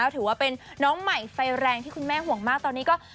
ถือว่าเป็นน้องใหม่ไฟแรงที่คุณแม่ห่วงมากตอนนี้ก็